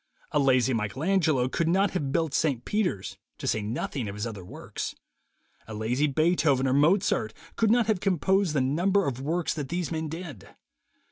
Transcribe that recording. A lazy Michael Angelo could not have built St. Peters, to say nothing of his other works. A lazy Beethoven or Mozart could not have composed the number of works that these men did.